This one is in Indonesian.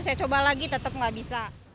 saya coba lagi tetap nggak bisa